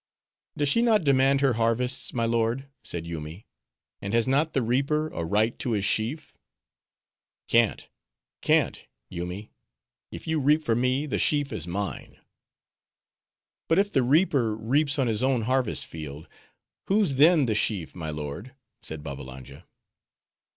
"Does she not demand her harvests, my lord?" said Yoomy, "and has not the reaper a right to his sheaf?" "Cant! cant! Yoomy. If you reap for me, the sheaf is mine." "But if the reaper reaps on his own harvest field, whose then the sheaf, my lord?" said Babbalanja.